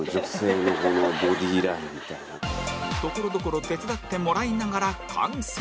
ところどころ手伝ってもらいながら完成